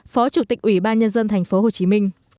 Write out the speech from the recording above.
phó chủ tịch ủy ban nhân dân tp hcm